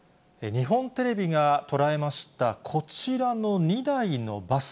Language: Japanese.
日本テレビが捉えましたこちらの２台のバス。